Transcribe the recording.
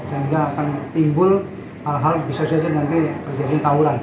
dan tidak akan timbul hal hal bisa saja nanti terjadi tawuran